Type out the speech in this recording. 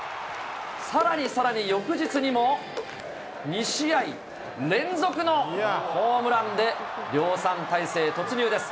さらにさらに翌日にも、２試合連続のホームランで、量産体制突入です。